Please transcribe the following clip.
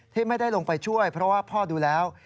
ที่ไม่ได้ลงไปช่วยเพราะว่าพ่อดูแล้ว